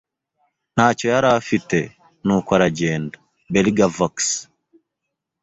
Ntacyo yari afite, nuko aragenda. (belgavox)